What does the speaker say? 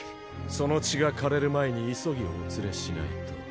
その血がかれる前に急ぎお連れしないと。